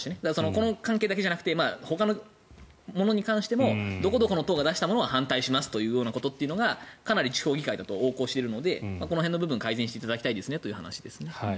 この関係だけじゃなくてほかのものに関してもどこの党が出したから反対するというのは地方議会だと横行しているのでこの辺の部分を改善していただきたいという話です。